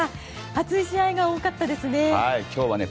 熱い試合が多かったですね。